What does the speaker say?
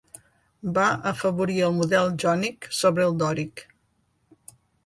Va afavorir el model jònic sobre el dòric.